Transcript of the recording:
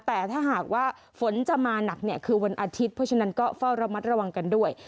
แต่ถ้าหากว่าฝนจะมาหนักเนี่ยคือวันอาทิตย์เพราะฉะนั้นก็เฝ้าระมัดระวังกันด้วย